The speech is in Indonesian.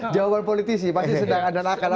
jawaban politisi pasti sedang ada nakal